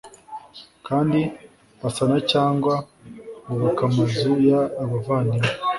kandi basana cyangwa bubaka amazu y abavandimwe